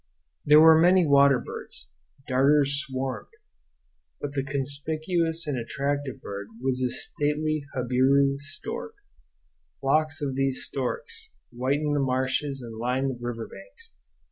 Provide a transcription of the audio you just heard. There were many water birds. Darters swarmed. But the conspicuous and attractive bird was the stately jabiru stork. Flocks of these storks whitened the marshes and lined the river banks.